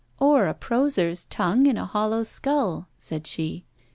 'Or a proser's tongue in a hollow skull,' said she.